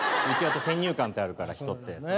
先入観ってあるから人って。